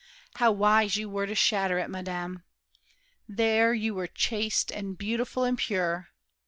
How wise you were to shatter it, madame! There you were chaste and beautiful and pure!